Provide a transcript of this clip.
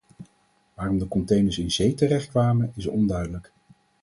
Waarom de containers in zee terechtkwamen, is onduidelijk.